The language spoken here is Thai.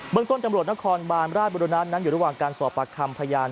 เมืองต้นตำรวจนครบานราชบุรณนั้นอยู่ระหว่างการสอบปากคำพยาน